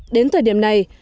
đến thời điểm này